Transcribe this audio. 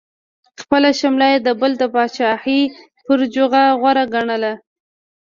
خپله شمله یې د بل د پاچاهۍ پر جوغه غوره ګڼله.